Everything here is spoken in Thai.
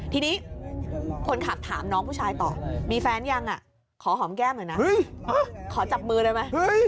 ทีนี้คนขับถามน้องผู้ชายต่อมีแฟนยังขอหอมแก้มหน่อยนะขอจับมือได้ไหม